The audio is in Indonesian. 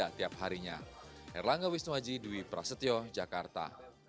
dan setiap harinya